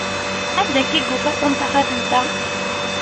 Anda akka i yufa Tom taxatemt-a?